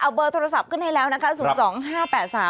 เอาเบอร์โทรศัพท์ขึ้นให้แล้วนะคะ๐๒๕๘๓